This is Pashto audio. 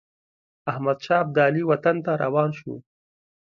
احمدشاه ابدالي وطن ته روان شو.